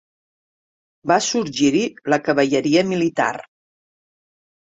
Va sorgir-hi la cavalleria militar.